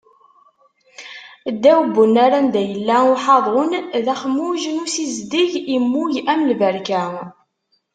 Ddaw n unnar, anda yella uḥaḍun, d axmuj n usizdeg immug am lberka.